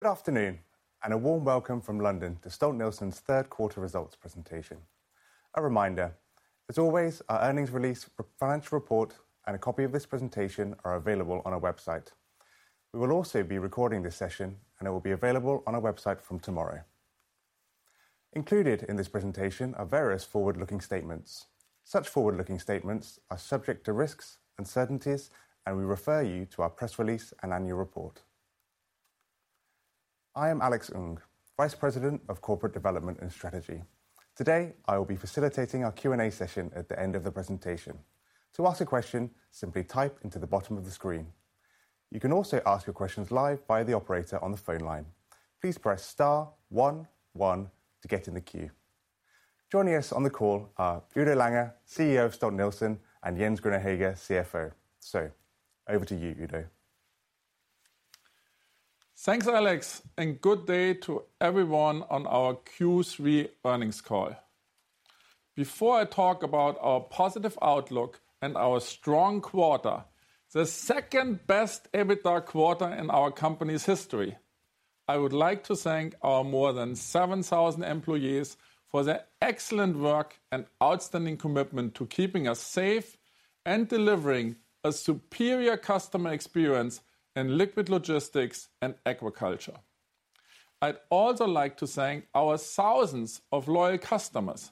Good afternoon, and a warm welcome from London to Stolt-Nielsen's Third Quarter Results Presentation. A reminder, as always, our earnings release, financial report, and a copy of this presentation are available on our website. We will also be recording this session, and it will be available on our website from tomorrow. Included in this presentation are various forward-looking statements. Such forward-looking statements are subject to risks, uncertainties, and we refer you to our press release and annual report. I am Alex Ng, Vice President of Corporate Development and Strategy. Today, I will be facilitating our Q&A session at the end of the presentation. To ask a question, simply type into the bottom of the screen. You can also ask your questions live by the operator on the phone line. Please press star one one to get in the queue. Joining us on the call are Udo Lange, CEO of Stolt-Nielsen, and Jens Grüner-Hegge, CFO. Over to you, Udo. Thanks, Alex, and good day to everyone on our Q3 earnings call. Before I talk about our positive outlook and our strong quarter, the second best EBITDA quarter in our company's history, I would like to thank our more than 7,000 employees for their excellent work and outstanding commitment to keeping us safe and delivering a superior customer experience in liquid logistics and agriculture. I'd also like to thank our thousands of loyal customers.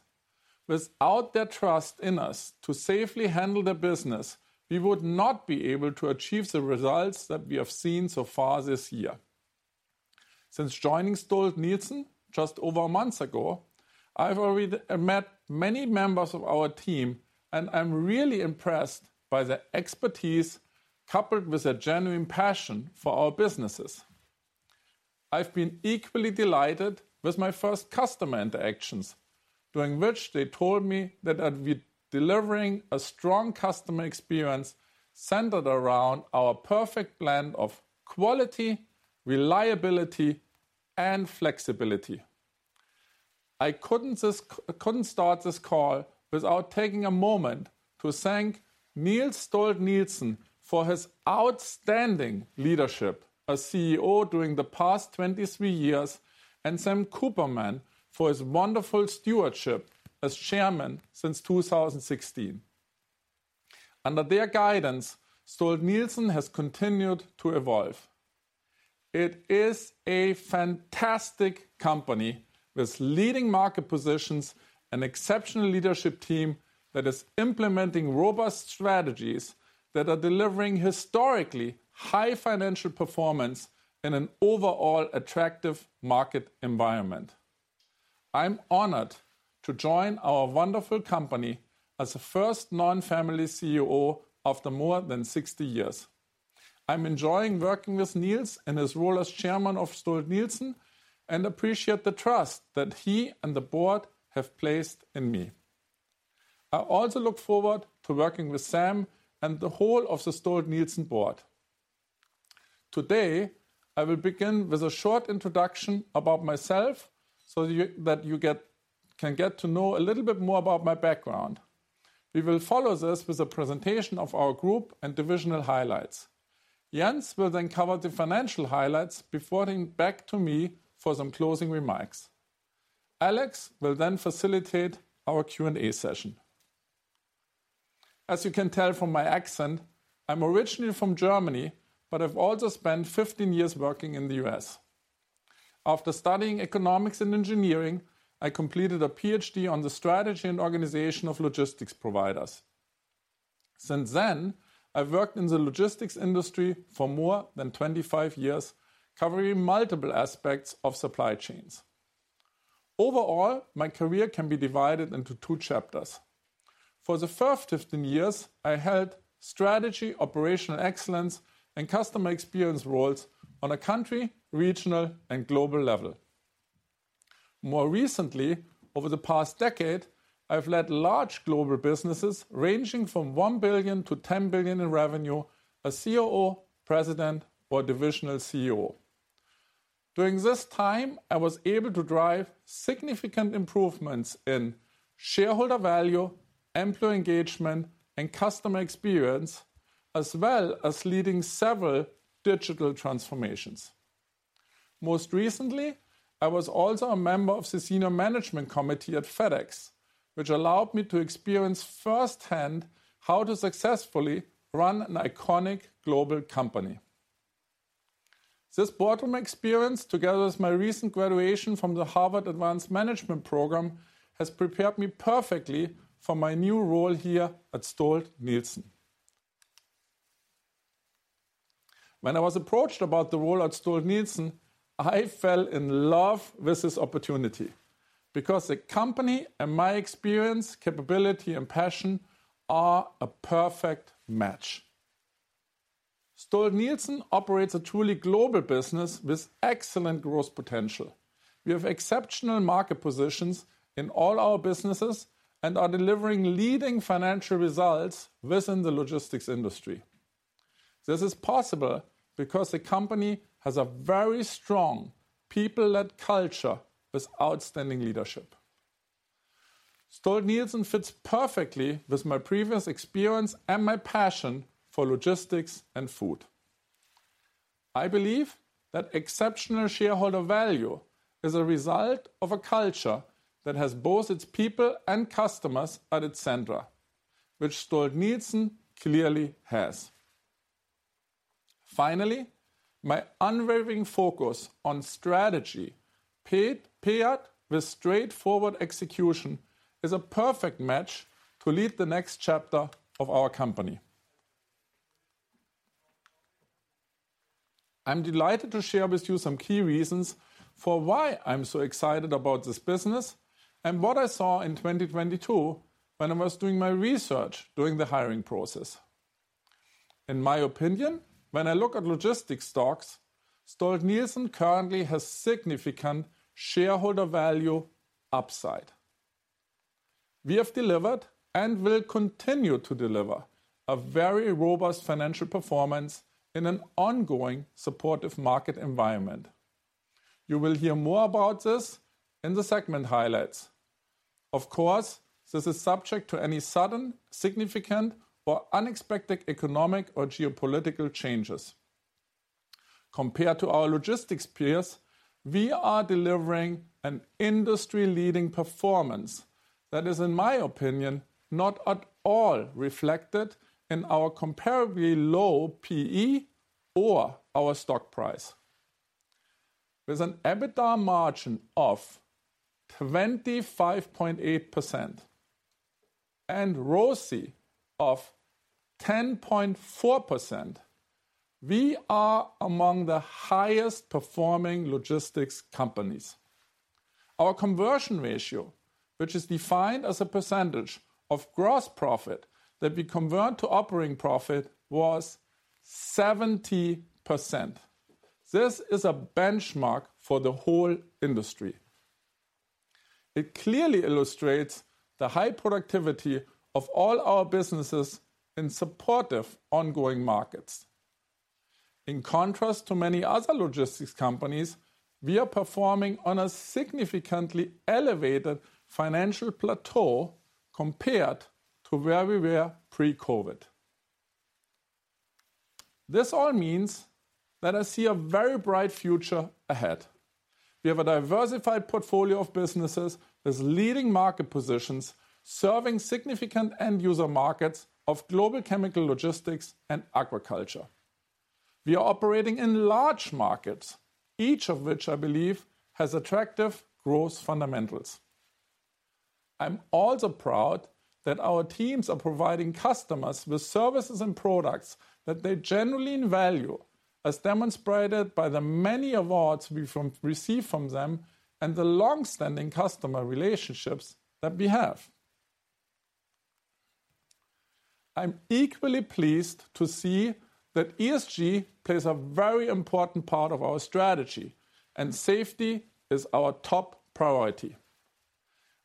Without their trust in us to safely handle their business, we would not be able to achieve the results that we have seen so far this year. Since joining Stolt-Nielsen just over a month ago, I've already met many members of our team, and I'm really impressed by their expertise, coupled with a genuine passion for our businesses. I've been equally delighted with my first customer interactions, during which they told me that I'd be delivering a strong customer experience centered around our perfect blend of quality, reliability, and flexibility. I couldn't start this call without taking a moment to thank Niels Stolt-Nielsen for his outstanding leadership as CEO during the past 23 years, and Sam Cooperman for his wonderful stewardship as chairman since 2016. Under their guidance, Stolt-Nielsen has continued to evolve. It is a fantastic company with leading market positions and exceptional leadership team that is implementing robust strategies that are delivering historically high financial performance in an overall attractive market environment. I'm honored to join our wonderful company as the first non-family CEO after more than 60 years. I'm enjoying working with Niels in his role as chairman of Stolt-Nielsen, and appreciate the trust that he and the board have placed in me. I also look forward to working with Sam and the whole of the Stolt-Nielsen board. Today, I will begin with a short introduction about myself, so that you can get to know a little bit more about my background. We will follow this with a presentation of our group and divisional highlights. Jens will then cover the financial highlights before handing back to me for some closing remarks. Alex will then facilitate our Q&A session. As you can tell from my accent, I'm originally from Germany, but I've also spent 15 years working in the U.S. After studying economics and engineering, I completed a Ph.D. on the strategy and organization of logistics providers. Since then, I've worked in the logistics industry for more than 25 years, covering multiple aspects of supply chains. Overall, my career can be divided into two chapters. For the first 15 years, I held strategy, operational excellence, and customer experience roles on a country, regional, and global level. More recently, over the past decade, I've led large global businesses ranging from $1 billion-$10 billion in revenue, as COO, President, or Divisional CEO. During this time, I was able to drive significant improvements in shareholder value, employee engagement, and customer experience, as well as leading several digital transformations. Most recently, I was also a member of the senior management committee at FedEx, which allowed me to experience firsthand how to successfully run an iconic global company. This boardroom experience, together with my recent graduation from the Harvard Advanced Management Program, has prepared me perfectly for my new role here at Stolt-Nielsen. When I was approached about the role at Stolt-Nielsen, I fell in love with this opportunity because the company and my experience, capability, and passion are a perfect match. Stolt-Nielsen operates a truly global business with excellent growth potential. We have exceptional market positions in all our businesses and are delivering leading financial results within the logistics industry. This is possible because the company has a very strong people-led culture with outstanding leadership. Stolt-Nielsen fits perfectly with my previous experience and my passion for logistics and food. I believe that exceptional shareholder value is a result of a culture that has both its people and customers at its center, which Stolt-Nielsen clearly has. Finally, my unwavering focus on strategy, paid, paired with straightforward execution, is a perfect match to lead the next chapter of our company. I'm delighted to share with you some key reasons for why I'm so excited about this business and what I saw in 2022 when I was doing my research during the hiring process. In my opinion, when I look at logistics stocks, Stolt-Nielsen currently has significant shareholder value upside. We have delivered, and will continue to deliver, a very robust financial performance in an ongoing supportive market environment. You will hear more about this in the segment highlights. Of course, this is subject to any sudden, significant, or unexpected economic or geopolitical changes. Compared to our logistics peers, we are delivering an industry-leading performance that is, in my opinion, not at all reflected in our comparably low P/E or our stock price. With an EBITDA margin of 25.8% and ROCE of 10.4%, we are among the highest performing logistics companies. Our conversion ratio, which is defined as a percentage of gross profit that we convert to operating profit, was 70%. This is a benchmark for the whole industry. It clearly illustrates the high productivity of all our businesses in supportive, ongoing markets. In contrast to many other logistics companies, we are performing on a significantly elevated financial plateau compared to where we were pre-COVID. This all means that I see a very bright future ahead. We have a diversified portfolio of businesses with leading market positions, serving significant end user markets of global chemical, logistics, and agriculture. We are operating in large markets, each of which I believe has attractive growth fundamentals. I'm also proud that our teams are providing customers with services and products that they genuinely value, as demonstrated by the many awards we receive from them, and the long-standing customer relationships that we have. I'm equally pleased to see that ESG plays a very important part of our strategy, and safety is our top priority.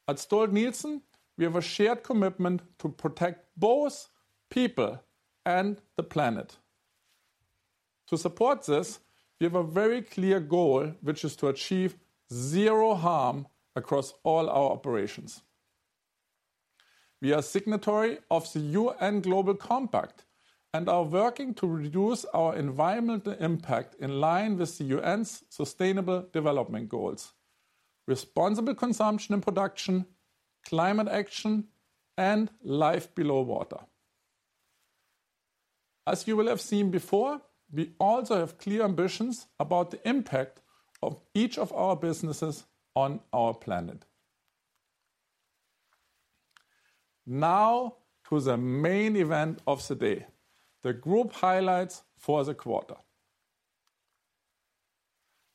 At Stolt-Nielsen, we have a shared commitment to protect both people and the planet. To support this, we have a very clear goal, which is to achieve zero harm across all our operations. We are signatory of the UN Global Compact, and are working to reduce our environmental impact in line with the UN's sustainable development goals, responsible consumption and production, climate action, and life below water. As you will have seen before, we also have clear ambitions about the impact of each of our businesses on our planet. Now, to the main event of the day, the group highlights for the quarter.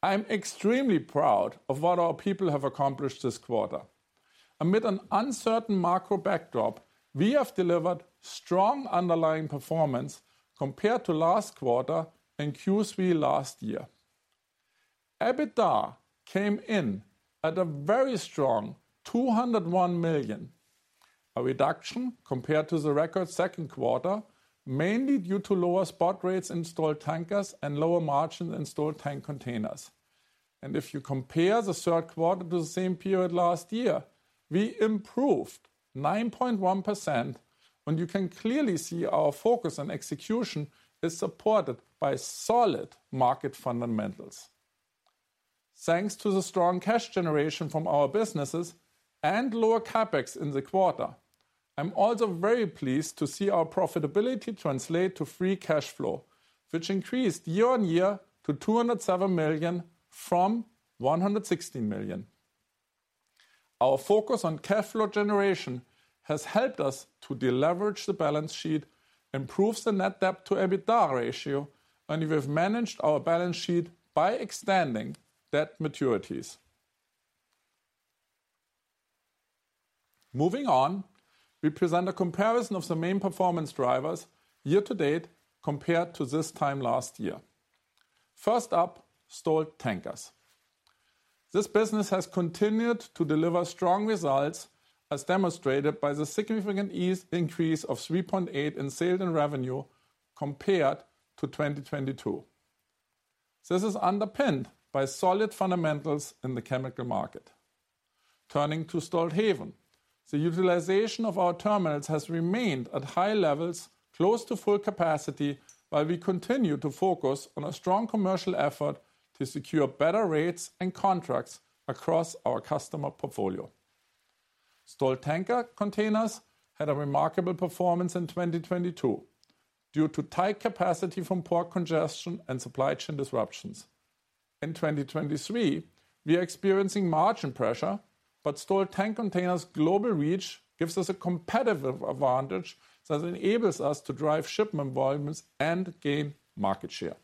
I'm extremely proud of what our people have accomplished this quarter. Amid an uncertain macro backdrop, we have delivered strong underlying performance compared to last quarter and Q3 last year. EBITDA came in at a very strong $201 million, a reduction compared to the record second quarter, mainly due to lower spot rates in Stolt Tankers and lower margins in Stolt Tank Containers. And if you compare the third quarter to the same period last year, we improved 9.1%, and you can clearly see our focus on execution is supported by solid market fundamentals. Thanks to the strong cash generation from our businesses and lower CapEx in the quarter, I'm also very pleased to see our profitability translate to free cash flow, which increased year-on-year to $207 million from $160 million. Our focus on cash flow generation has helped us to deleverage the balance sheet, improve the net debt to EBITDA ratio, and we have managed our balance sheet by extending debt maturities. Moving on, we present a comparison of the main performance drivers year to date compared to this time last year. First up, Stolt Tankers. This business has continued to deliver strong results, as demonstrated by the significant increase of 3.8% in sailed-in revenue compared to 2022. This is underpinned by solid fundamentals in the chemical market. Turning to Stolthaven, the utilization of our terminals has remained at high levels, close to full capacity, while we continue to focus on a strong commercial effort to secure better rates and contracts across our customer portfolio. Stolt Tank Containers had a remarkable performance in 2022 due to tight capacity from port congestion and supply chain disruptions. In 2023, we are experiencing margin pressure, but Stolt Tank Containers' global reach gives us a competitive advantage that enables us to drive shipment volumes and gain market share.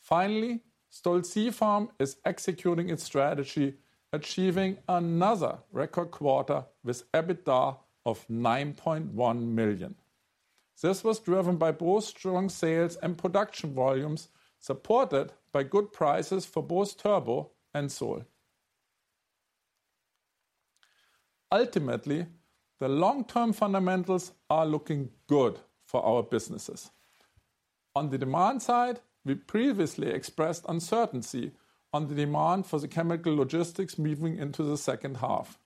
Finally, Stolt Sea Farm is executing its strategy, achieving another record quarter with EBITDA of $9.1 million. This was driven by both strong sales and production volumes, supported by good prices for both turbot and sole. Ultimately, the long-term fundamentals are looking good for our businesses. On the demand side, we previously expressed uncertainty on the demand for the chemical logistics moving into the second half.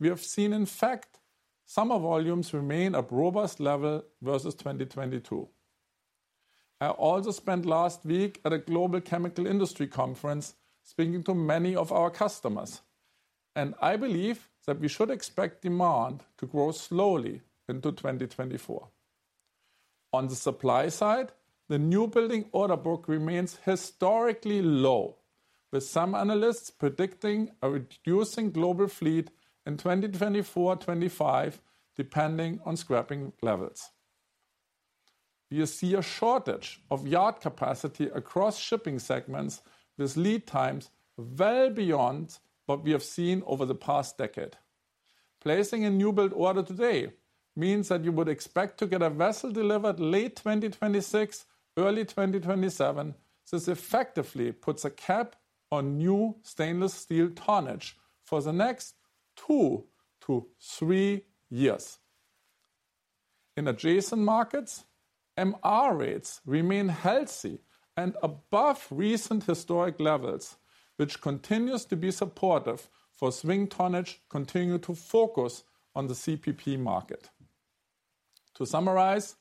We have seen, in fact, summer volumes remain at robust level versus 2022. I also spent last week at a global chemical industry conference, speaking to many of our customers, and I believe that we should expect demand to grow slowly into 2024. On the supply side, the new building order book remains historically low, with some analysts predicting a reducing global fleet in 2024, 2025, depending on scrapping levels. We see a shortage of yard capacity across shipping segments, with lead times well beyond what we have seen over the past decade. Placing a new build order today means that you would expect to get a vessel delivered late 2026, early 2027. This effectively puts a cap on new stainless steel tonnage for the next two to three years. In adjacent markets, MR rates remain healthy and above recent historic levels, which continues to be supportive for swing tonnage, continue to focus on the CPP market. To summarize,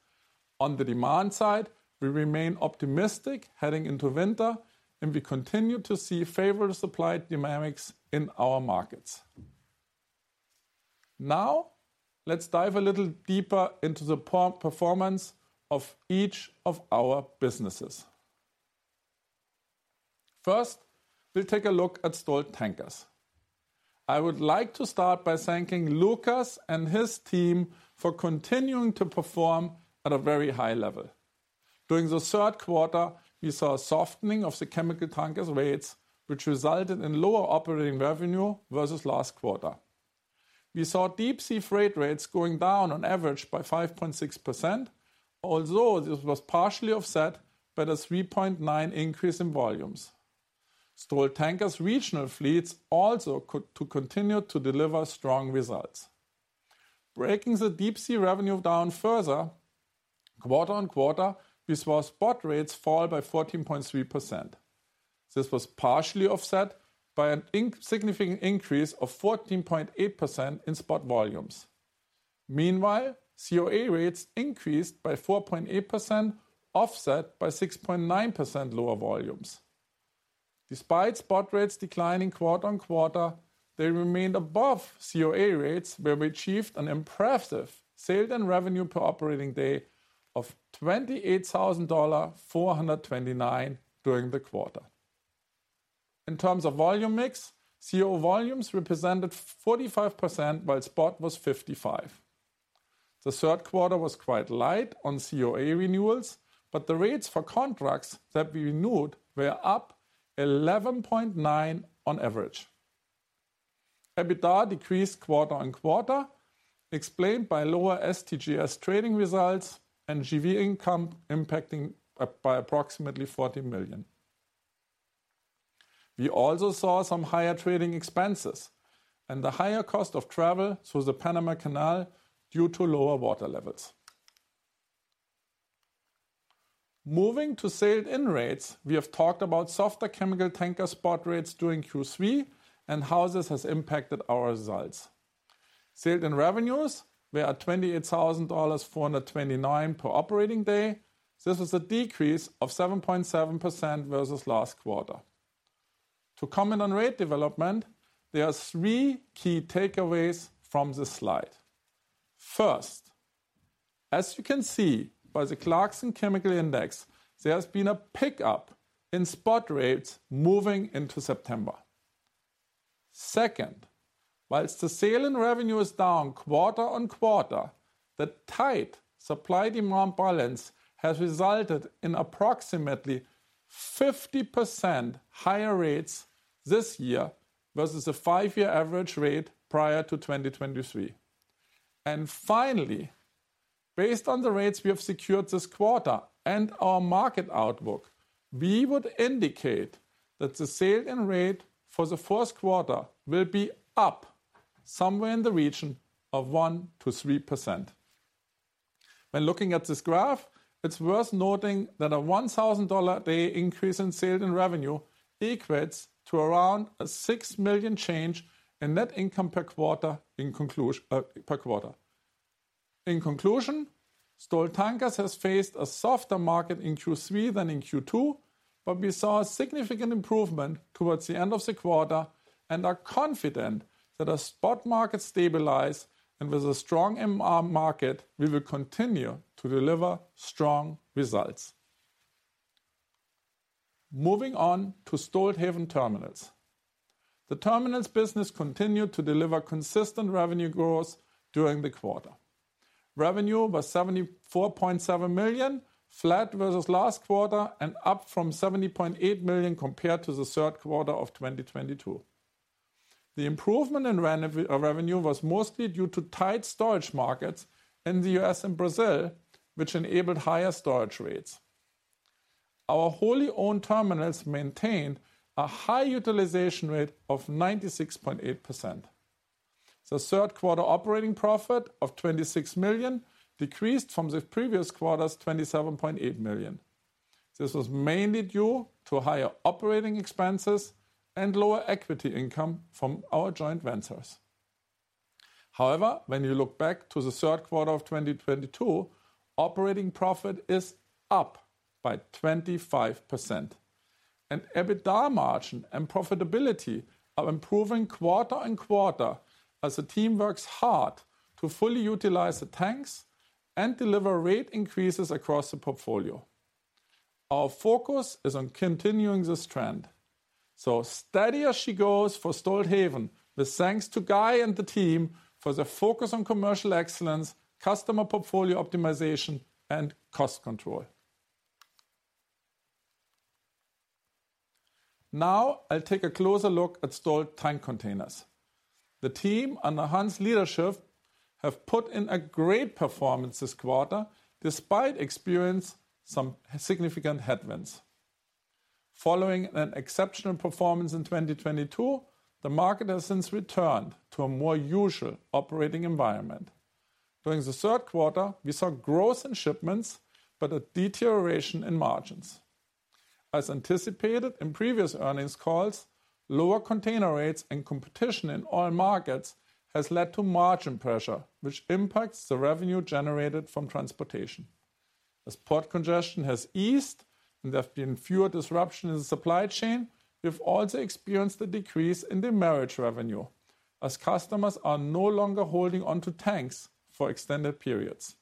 on the demand side, we remain optimistic heading into winter, and we continue to see favorable supply dynamics in our markets. Now, let's dive a little deeper into the performance of each of our businesses. First, we'll take a look at Stolt Tankers. I would like to start by thanking Lucas and his team for continuing to perform at a very high level. During the third quarter, we saw a softening of the chemical tankers' rates, which resulted in lower operating revenue versus last quarter. We saw deep sea freight rates going down on average by 5.6%, although this was partially offset by the 3.9% increase in volumes. Stolt Tankers' regional fleets also continue to deliver strong results. Breaking the deep sea revenue down further, quarter-on-quarter, we saw spot rates fall by 14.3%. This was partially offset by a significant increase of 14.8% in spot volumes. Meanwhile, COA rates increased by 4.8%, offset by 6.9% lower volumes. Despite spot rates declining quarter-on-quarter, they remained above COA rates, where we achieved an impressive sailed-in revenue per operating day of $28,429 during the quarter. In terms of volume mix, COA volumes represented 45%, while spot was 55. The third quarter was quite light on COA renewals, but the rates for contracts that we renewed were up 11.9% on average. EBITDA decreased quarter-over-quarter, explained by lower STJS trading results and JV income impacting up by approximately $40 million. We also saw some higher trading expenses and the higher cost of travel through the Panama Canal due to lower water levels. Moving to sailed-in rates, we have talked about softer chemical tanker spot rates during Q3 and how this has impacted our results. Sailed-in revenues were at $28,429 per operating day. This is a decrease of 7.7% versus last quarter. To comment on rate development, there are three key takeaways from this slide. First, as you can see by the Clarkson Chemical Index, there has been a pickup in spot rates moving into September. Second, while the Sailed-in Revenue is down quarter-on-quarter, the tight supply-demand balance has resulted in approximately 50% higher rates this year versus the five-year average rate prior to 2023. And finally, based on the rates we have secured this quarter and our market outlook, we would indicate that the Sailed-in Rate for the first quarter will be up somewhere in the region of 1%-3%. When looking at this graph, it's worth noting that a $1,000/day increase in sailed-in revenue equates to around a $6 million change in net income per quarter, per quarter. In conclusion, Stolt Tankers has faced a softer market in Q3 than in Q2, but we saw a significant improvement towards the end of the quarter and are confident that as spot market stabilize, and with a strong MR market, we will continue to deliver strong results. Moving on to Stolthaven Terminals. The terminals business continued to deliver consistent revenue growth during the quarter. Revenue was $74.7 million, flat versus last quarter, and up from $70.8 million compared to the third quarter of 2022. The improvement in revenue was mostly due to tight storage markets in the US and Brazil, which enabled higher storage rates. Our wholly owned terminals maintained a high utilization rate of 96.8%. The third quarter operating profit of $26 million decreased from the previous quarter's $27.8 million. This was mainly due to higher operating expenses and lower equity income from our joint ventures. However, when you look back to the third quarter of 2022, operating profit is up by 25%, and EBITDA margin and profitability are improving quarter and quarter as the team works hard to fully utilize the tanks and deliver rate increases across the portfolio. Our focus is on continuing this trend, so steady as she goes for Stolthaven, with thanks to Guy and the team for their focus on commercial excellence, customer portfolio optimization, and cost control. Now, I'll take a closer look at Stolt Tank Containers. The team, under Hans' leadership, have put in a great performance this quarter, despite experiencing some significant headwinds. Following an exceptional performance in 2022, the market has since returned to a more usual operating environment. During the third quarter, we saw growth in shipments, but a deterioration in margins. As anticipated in previous earnings calls, lower container rates and competition in all markets has led to margin pressure, which impacts the revenue generated from transportation. As port congestion has eased and there have been fewer disruptions in the supply chain, we've also experienced a decrease in demurrage revenue, as customers are no longer holding onto tanks for extended periods.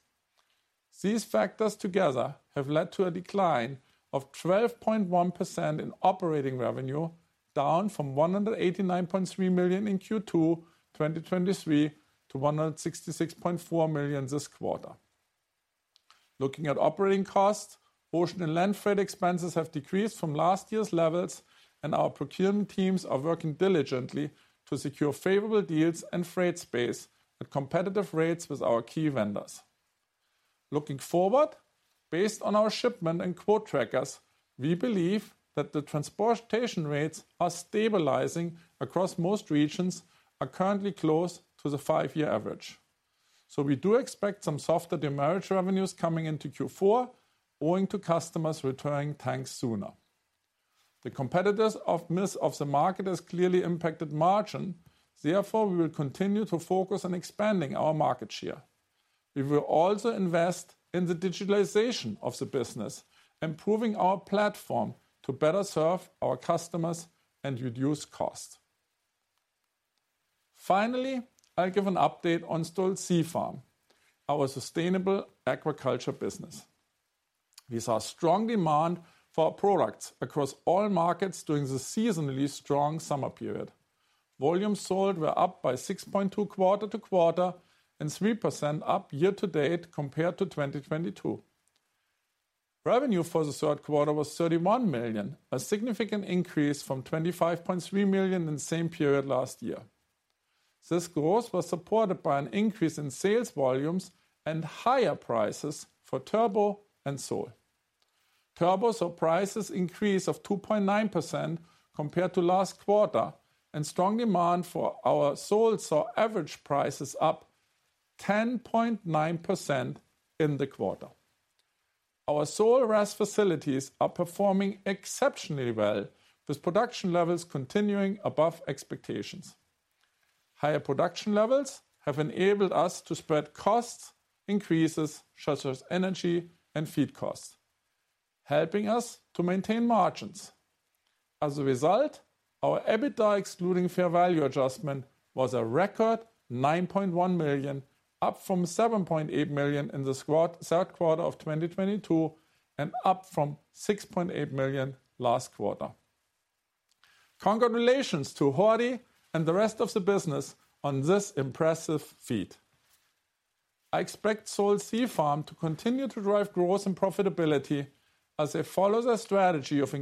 These factors together have led to a decline of 12.1% in operating revenue, down from $189.3 million in Q2 2023, to $166.4 million this quarter. Looking at operating costs, ocean and land freight expenses have decreased from last year's levels, and our procurement teams are working diligently to secure favorable deals and freight space at competitive rates with our key vendors. Looking forward, based on our shipment and quote trackers, we believe that the transportation rates are stabilizing across most regions, are currently close to the five-year average. We do expect some softer demurrage revenues coming into Q4, owing to customers returning tanks sooner. The competitiveness of the market has clearly impacted margin, therefore, we will continue to focus on expanding our market share. We will also invest in the digitalization of the business, improving our platform to better serve our customers and reduce costs. Finally, I'll give an update on Stolt Sea Farm, our sustainable aquaculture business. We saw strong demand for our products across all markets during the seasonally strong summer period. Volumes sold were up by 6.2 quarter to quarter, and 3% up year to date compared to 2022. Revenue for the third quarter was $31 million, a significant increase from $25.3 million in the same period last year. This growth was supported by an increase in sales volumes and higher prices for turbot and sole. Turbot saw prices increase of 2.9% compared to last quarter, and strong demand for our sole saw average prices up 10.9% in the quarter. Our sole RAS facilities are performing exceptionally well, with production levels continuing above expectations. Higher production levels have enabled us to spread cost increases, such as energy and feed costs, helping us to maintain margins. As a result, our EBITDA, excluding fair value adjustment, was a record $9.1 million, up from $7.8 million in the third quarter of 2022, and up from $6.8 million last quarter. Congratulations to Jordi and the rest of the business on this impressive feat. I expect Stolt Sea Farm to continue to drive growth and profitability as they follow their strategy of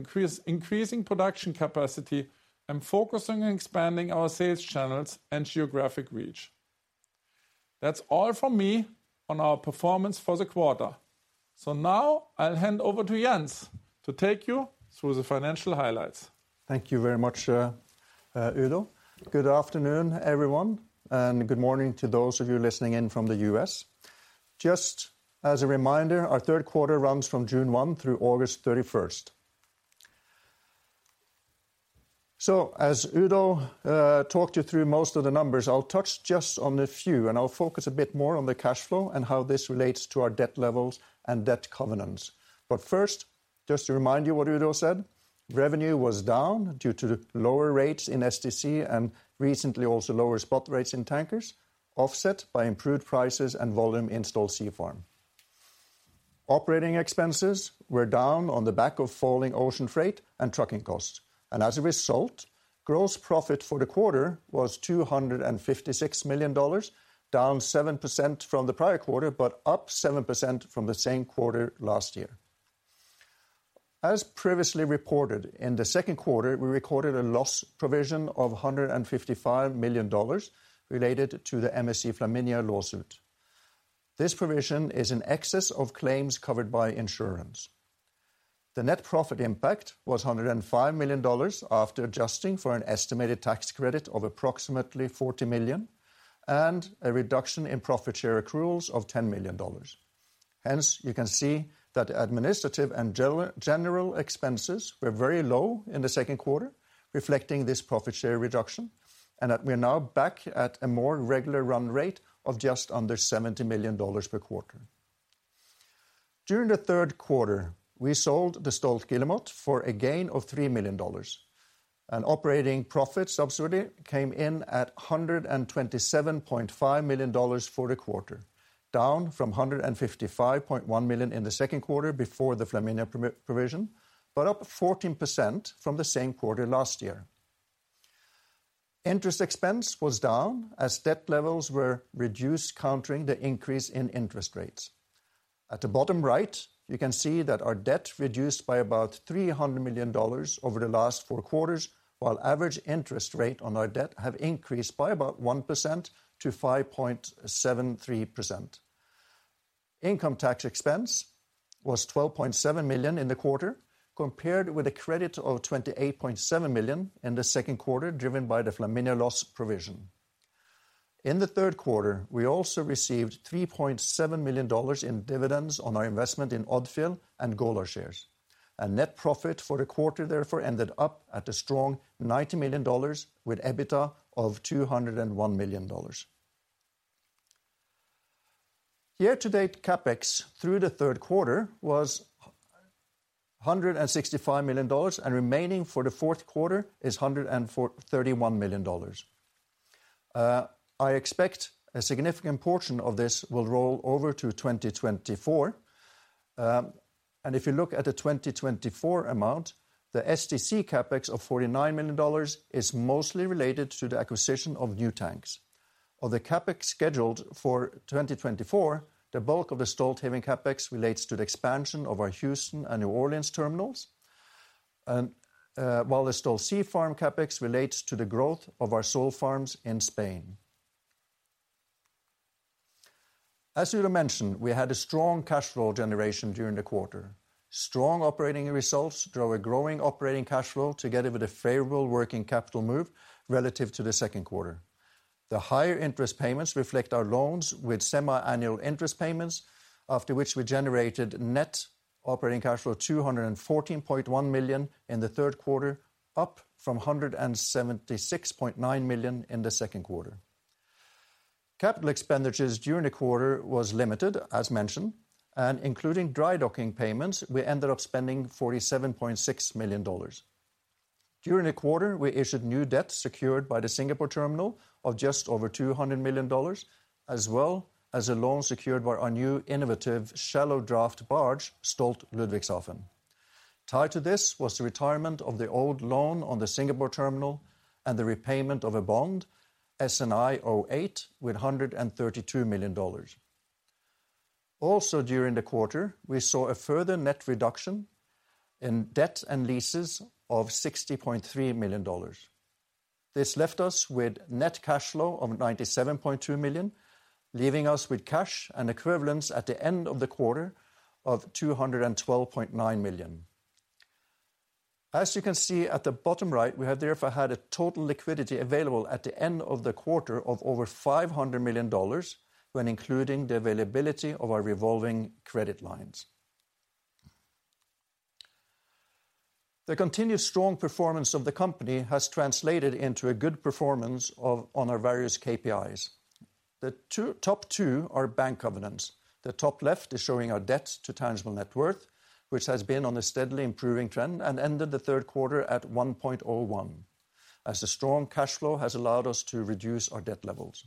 increasing production capacity and focusing on expanding our sales channels and geographic reach. That's all from me on our performance for the quarter. So now I'll hand over to Jens to take you through the financial highlights. Thank you very much, Udo. Good afternoon, everyone, and good morning to those of you listening in from the U.S. Just as a reminder, our third quarter runs from June 1 through August 31. So, as Udo talked you through most of the numbers, I'll touch just on a few, and I'll focus a bit more on the cash flow and how this relates to our debt levels and debt covenants. But first, just to remind you what Udo said, revenue was down due to lower rates in STC and recently also lower spot rates in tankers, offset by improved prices and volume in Stolt Sea Farm. Operating expenses were down on the back of falling ocean freight and trucking costs, and as a result, gross profit for the quarter was $256 million, down 7% from the prior quarter, but up 7% from the same quarter last year. As previously reported, in the second quarter, we recorded a loss provision of $155 million related to the MSC Flaminia lawsuit. This provision is in excess of claims covered by insurance. The net profit impact was $105 million after adjusting for an estimated tax credit of approximately $40 million and a reduction in profit share accruals of $10 million. Hence, you can see that administrative and general expenses were very low in the second quarter, reflecting this profit share reduction, and that we are now back at a more regular run rate of just under $70 million per quarter. During the third quarter, we sold the Stolt Guillemot for a gain of $3 million, and operating profits absolutely came in at $127.5 million for the quarter, down from $155.1 million in the second quarter before the Flaminia provision, but up 14% from the same quarter last year. Interest expense was down as debt levels were reduced, countering the increase in interest rates. At the bottom right, you can see that our debt reduced by about $300 million over the last four quarters, while average interest rate on our debt have increased by about 1% to 5.73%. Income tax expense was $12.7 million in the quarter, compared with a credit of $28.7 million in the second quarter, driven by the MSC Flaminia loss provision. In the third quarter, we also received $3.7 million in dividends on our investment in Odfjell and Golar shares, and net profit for the quarter, therefore, ended up at a strong $90 million, with EBITDA of $201 million. Year-to-date CapEx through the third quarter was $165 million, and remaining for the fourth quarter is $104-$131 million. I expect a significant portion of this will roll over to 2024. And if you look at the 2024 amount, the STC CapEx of $49 million is mostly related to the acquisition of new tanks. Of the CapEx scheduled for 2024, the bulk of the Stolthaven CapEx relates to the expansion of our Houston and New Orleans terminals, and while the Stolt Sea Farm CapEx relates to the growth of our sole farms in Spain. As Udo mentioned, we had a strong cash flow generation during the quarter. Strong operating results drove a growing operating cash flow together with a favorable working capital move relative to the second quarter. The higher interest payments reflect our loans with semi-annual interest payments, after which we generated net operating cash flow $214.1 million in the third quarter, up from $176.9 million in the second quarter. Capital expenditures during the quarter was limited, as mentioned, and including dry docking payments, we ended up spending $47.6 million. During the quarter, we issued new debt secured by the Singapore terminal of just over $200 million, as well as a loan secured by our new innovative shallow draft barge, Stolt Ludwigshafen. Tied to this was the retirement of the old loan on the Singapore terminal and the repayment of a bond, SNI-08, with $132 million. Also, during the quarter, we saw a further net reduction in debt and leases of $60.3 million. This left us with net cash flow of $97.2 million, leaving us with cash and equivalents at the end of the quarter of $212.9 million. As you can see at the bottom right, we have therefore had a total liquidity available at the end of the quarter of over $500 million when including the availability of our revolving credit lines. The continued strong performance of the company has translated into a good performance on our various KPIs. The top two are bank covenants. The top left is showing our debt to tangible net worth, which has been on a steadily improving trend and ended the third quarter at 1.01, as the strong cash flow has allowed us to reduce our debt levels.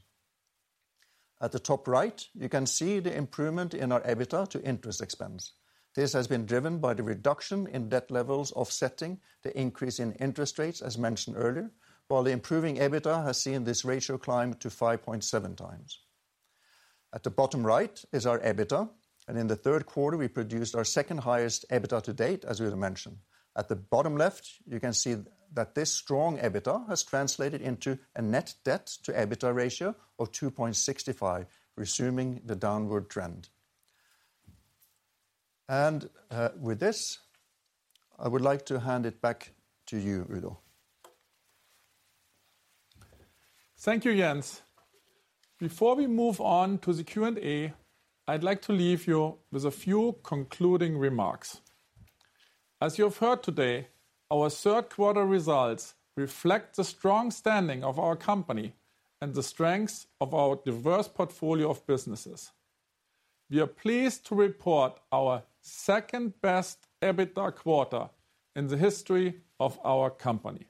At the top right, you can see the improvement in our EBITDA to interest expense. This has been driven by the reduction in debt levels, offsetting the increase in interest rates, as mentioned earlier, while the improving EBITDA has seen this ratio climb to 5.7 times. At the bottom right is our EBITDA, and in the third quarter, we produced our second-highest EBITDA to date, as we have mentioned. At the bottom left, you can see that this strong EBITDA has translated into a net debt to EBITDA ratio of 2.65, resuming the downward trend. And with this, I would like to hand it back to you, Udo. Thank you, Jens. Before we move on to the Q&A, I'd like to leave you with a few concluding remarks. As you have heard today, our third quarter results reflect the strong standing of our company and the strengths of our diverse portfolio of businesses. We are pleased to report our second-best EBITDA quarter in the history of our company.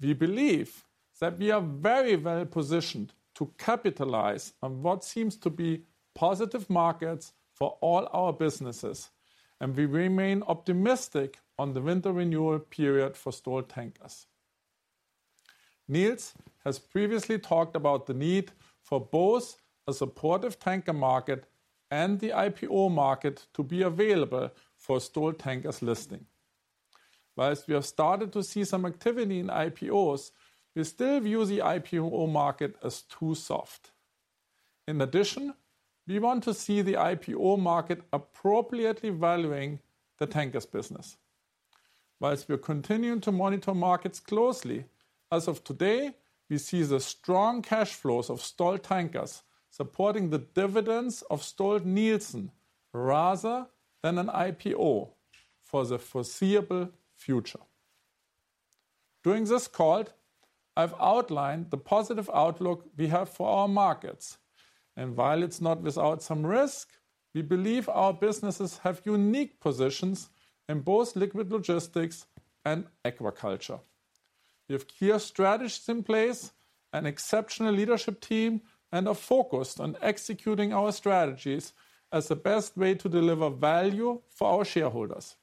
We believe that we are very, very positioned to capitalize on what seems to be positive markets for all our businesses, and we remain optimistic on the winter renewal period for Stolt Tankers. Nils has previously talked about the need for both a supportive tanker market and the IPO market to be available for Stolt Tankers listing. While we have started to see some activity in IPOs, we still view the IPO market as too soft. In addition, we want to see the IPO market appropriately valuing the tankers business. While we are continuing to monitor markets closely, as of today, we see the strong cash flows of Stolt Tankers supporting the dividends of Stolt-Nielsen, rather than an IPO for the foreseeable future. During this call, I've outlined the positive outlook we have for our markets, and while it's not without some risk, we believe our businesses have unique positions in both liquid logistics and aquaculture. We have clear strategies in place, an exceptional leadership team, and are focused on executing our strategies as the best way to deliver value for our shareholders.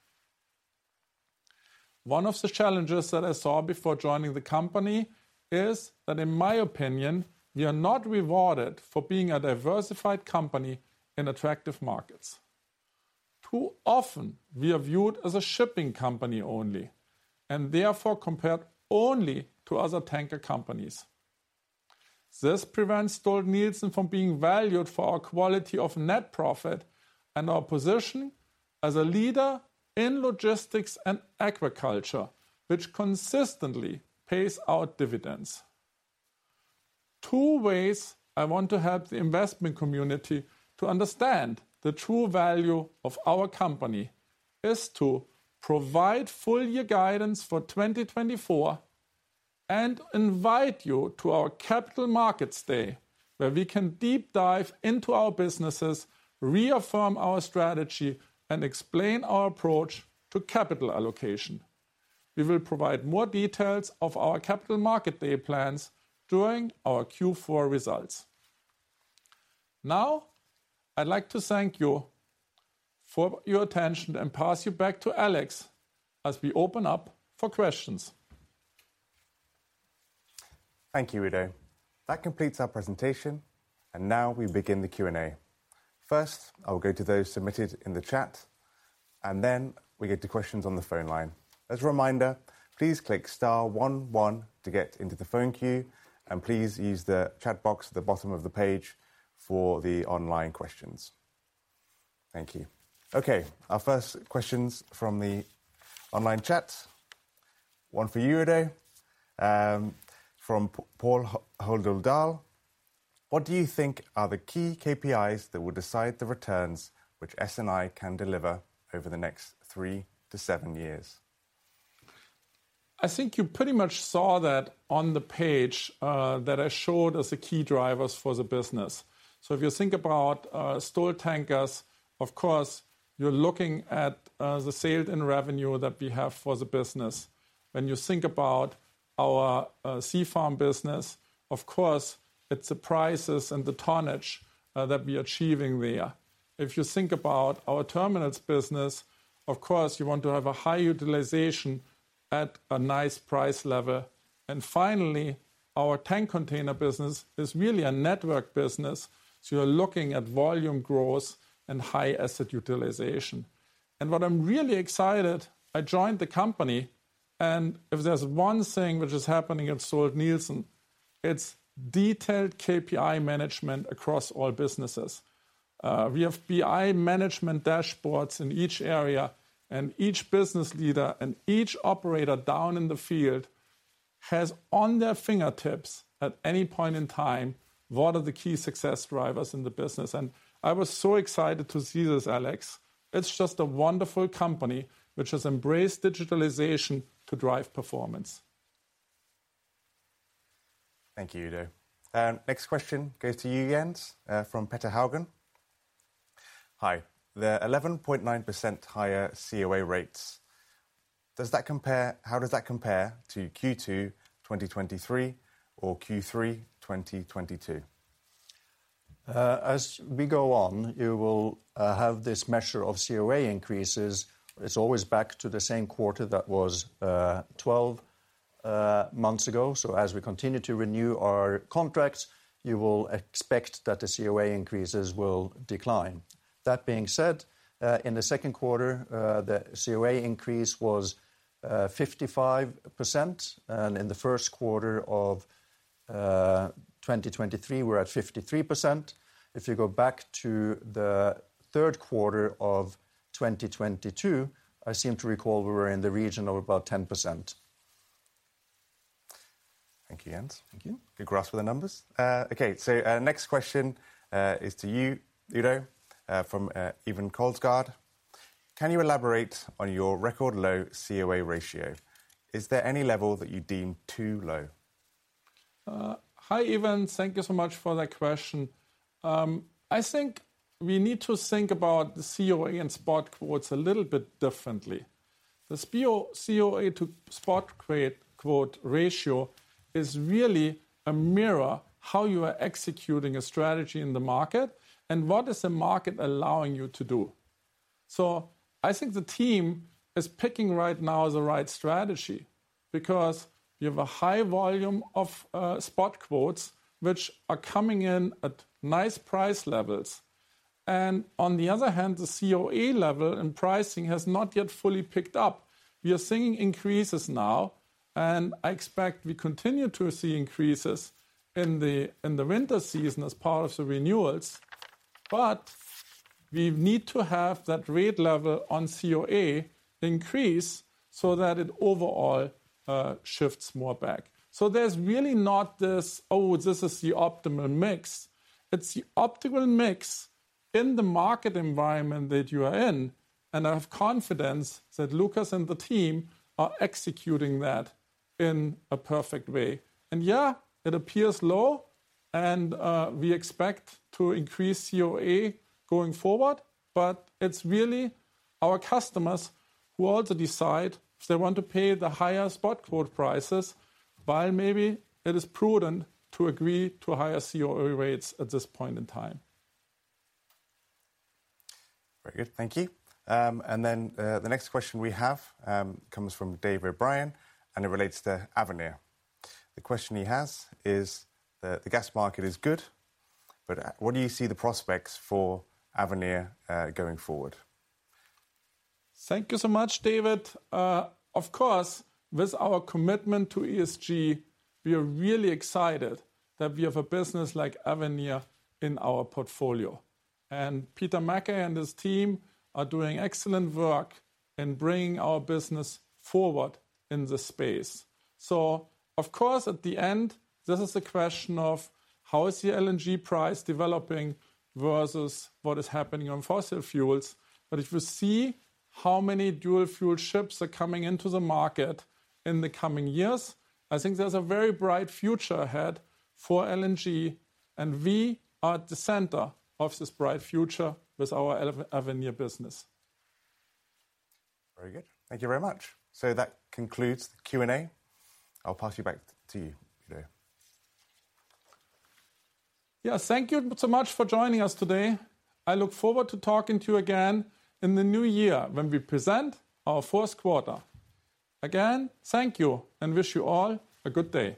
One of the challenges that I saw before joining the company is that, in my opinion, we are not rewarded for being a diversified company in attractive markets. Too often, we are viewed as a shipping company only, and therefore compared only to other tanker companies. This prevents Stolt-Nielsen from being valued for our quality of net profit and our position as a leader in logistics and aquaculture, which consistently pays out dividends. Two ways I want to help the investment community to understand the true value of our company is to provide full year guidance for 2024, and invite you to our Capital Markets Day, where we can deep dive into our businesses, reaffirm our strategy, and explain our approach to capital allocation. We will provide more details of our Capital Market Day plans during our Q4 results. Now, I'd like to thank you for your attention and pass you back to Alex, as we open up for questions. Thank you, Udo. That completes our presentation, and now we begin the Q&A. First, I will go to those submitted in the chat, and then we get to questions on the phone line. As a reminder, please click star one one to get into the phone queue, and please use the chat box at the bottom of the page for the online questions. Thank you. Okay, our first questions from the online chat. One for you, Udo, from Paul Holderdal: "What do you think are the key KPIs that will decide the returns which SNI can deliver over the next three to seven years? I think you pretty much saw that on the page, that I showed as the key drivers for the business. So if you think about Stolt Tankers, of course, you're looking at the sailed-in revenue that we have for the business. When you think about our Stolt Sea Farm business, of course, it's the prices and the tonnage that we're achieving there. If you think about our Stolthaven Terminals business, of course, you want to have a high utilization at a nice price level. And finally, our Stolt Tank Containers business is really a network business, so you're looking at volume growth and high asset utilization. And what I'm really excited, I joined the company, and if there's one thing which is happening at Stolt-Nielsen, it's detailed KPI management across all businesses. We have BI management dashboards in each area, and each business leader, and each operator down in the field, has on their fingertips, at any point in time, what are the key success drivers in the business, and I was so excited to see this, Alex. It's just a wonderful company, which has embraced digitalization to drive performance. Thank you, Udo. Next question goes to you, Jens, from Petter Haugen: Hi, the 11.9% higher COA rates, does that compare - how does that compare to Q2 2023 or Q3 2022? As we go on, you will have this measure of COA increases. It's always back to the same quarter that was 12 months ago, so as we continue to renew our contracts, you will expect that the COA increases will decline. That being said, in the second quarter, the COA increase was 55%, and in the first quarter of 2023, we're at 53%. If you go back to the third quarter of 2022, I seem to recall we were in the region of about 10%. Thank you, Jens. Thank you. Good grasp of the numbers. Okay, so next question is to you, Udo, from Eivind Kolsgaard. Can you elaborate on your record low COA ratio? Is there any level that you deem too low? Hi, Evan, thank you so much for that question. I think we need to think about the COA and spot quotes a little bit differently. The spot-COA to spot freight quote ratio is really a mirror of how you are executing a strategy in the market, and what is the market allowing you to do? So I think the team is picking right now the right strategy, because you have a high volume of spot quotes, which are coming in at nice price levels, and on the other hand, the COA level and pricing has not yet fully picked up. We are seeing increases now, and I expect we continue to see increases in the winter season as part of the renewals, but we need to have that rate level on COA increase so that it overall shifts more back. So there's really not this, "Oh, this is the optimum mix." It's the optimal mix in the market environment that you are in, and I have confidence that Lucas and the team are executing that in a perfect way. And yeah, it appears low, and we expect to increase COA going forward, but it's really our customers who also decide if they want to pay the higher spot quote prices, while maybe it is prudent to agree to higher COA rates at this point in time. Very good. Thank you. And then, the next question we have comes from David O'Brien, and it relates to Avenir. The question he has is, "The gas market is good, but what do you see the prospects for Avenir going forward? Thank you so much, David. Of course, with our commitment to ESG, we are really excited that we have a business like Avenir in our portfolio, and Peter Mackey and his team are doing excellent work in bringing our business forward in this space. So of course, at the end, this is a question of how is the LNG price developing versus what is happening on fossil fuels? But if you see how many dual fuel ships are coming into the market in the coming years, I think there's a very bright future ahead for LNG, and we are at the center of this bright future with our Ave- Avenir business. Very good. Thank you very much. So that concludes the Q&A. I'll pass you back to you, Udo. Yeah, thank you so much for joining us today. I look forward to talking to you again in the new year when we present our first quarter. Again, thank you, and wish you all a good day.